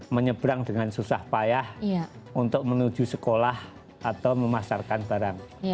menyeberang dengan susah payah untuk menuju sekolah atau memasarkan barang